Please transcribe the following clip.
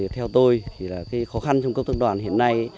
theo tôi thì khó khăn trong công tác đoàn hiện nay